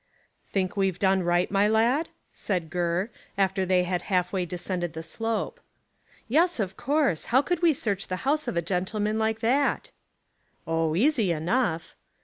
"Think we've done right, my lad?" said Gurr, after they had half way descended the slope. "Yes, of course. How could we search the house of a gentleman like that?" "Oh, easy enough."